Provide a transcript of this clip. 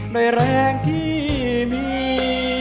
โดยแรงที่มี